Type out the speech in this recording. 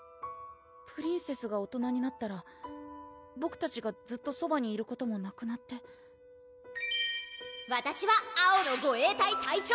プリンセスが大人になったらボクたちがずっとそばにいることもなくなってわたしは青の護衛隊隊長！